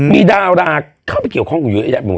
มีดาราเข้าไปเกี่ยวข้องกับอยู่ที่อาจารย์หมุน